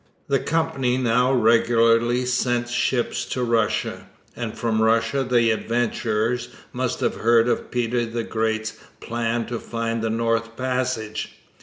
The Company now regularly sent ships to Russia; and from Russia the adventurers must have heard of Peter the Great's plan to find the North Passage.